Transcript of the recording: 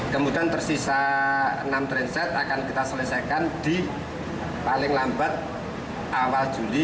kemudian tersisa enam trainset akan kita selesaikan di paling lambat awal juli